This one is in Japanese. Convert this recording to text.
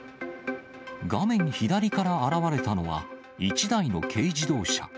画面左から現れたのは、１台の軽自動車。